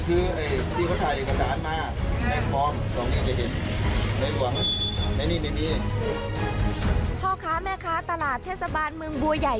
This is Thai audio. เพราะพ่อค้าแม่ค้าตลาดเธสบานมุมบัวยยัย